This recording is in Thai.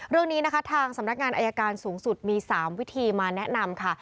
เรื่องนี้นะคะทางสำนักงานอายการสูงสุดมี๓วิธีมาแนะนำค่ะ